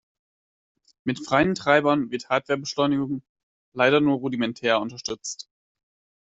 Mit freien Treibern wird Hardware-Beschleunigung leider nur rudimentär unterstützt.